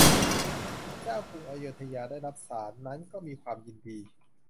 พระเจ้ากรุงอโยธยาได้รับสาสน์นั้นก็มีความยินดี